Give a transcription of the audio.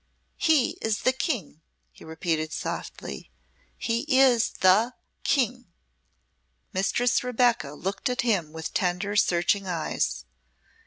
"He is the King," he repeated, softly; "he is the King!" Mistress Rebecca looked at him with tender, searching eyes.